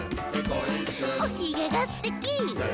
「おひげがすてき！」